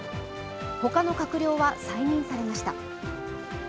他の閣僚は再任されました。